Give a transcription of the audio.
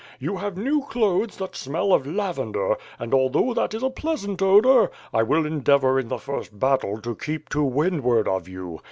You have new clothes that smell of lavender; and, although that is a pleasant odor, 1 will endeavor in the first battle to keep to windward of you.